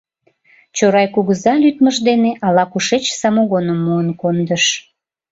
Чорай кугыза лӱдмыж дене ала-кушеч самогоным муын кондыш.